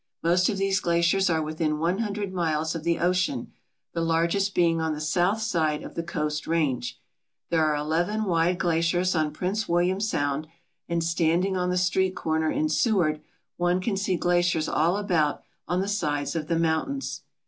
Most of these glaciers are within one hundred miles of the ocean, the largest being on the south side of the coast range. There are eleven wide glaciers on Prince William Sound and standing on the street corner in Seward one can see glaciers all about on the sides of the mountains.